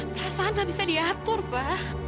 perasaan nggak bisa diatur pa